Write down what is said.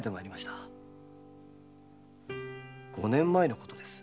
五年前のことです。